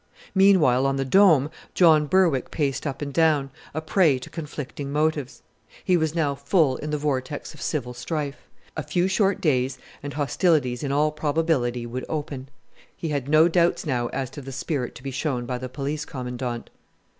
Meanwhile, on the Dome, John Berwick paced up and down, a prey to conflicting motives. He was now full in the vortex of civil strife; a few short days and hostilities in all probability would open. He had no doubts now as to the spirit to be shown by the Police Commandant.